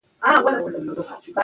د هغې شونډې د ګل په څېر سرې وې.